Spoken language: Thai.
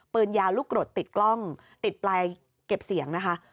ปืนยาวลูกกรดติดกล้องติดปลายเก็บเสียงนะคะ